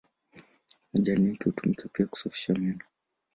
Majani yake hutumika pia kusafisha meno.